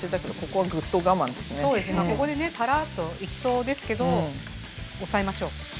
ここでねたらっといきそうですけど抑えましょう。